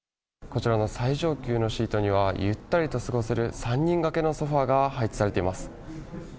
こちらの最上級のシートには、ゆったりと過ごせる３人掛けのソファが配置されています。